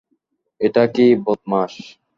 এটা কি, বদমাস?